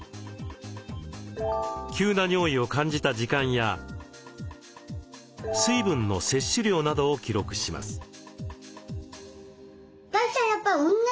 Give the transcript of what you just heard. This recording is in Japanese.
急な尿意を感じた時間や水分の摂取量などを記録します。